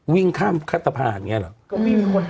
วิ่งข้ามสะพานเงี้ยหรอ